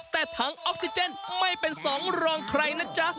แต่ถังออกซิเจนไม่เป็นสองรองใครนะจ๊ะ